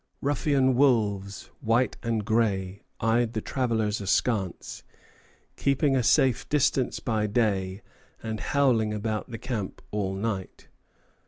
Ruffian wolves, white and gray, eyed the travellers askance, keeping a safe distance by day, and howling about the camp all night.